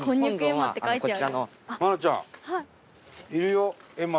はい。